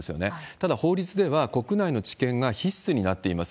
ただ、法律では国内の治験が必須になっています。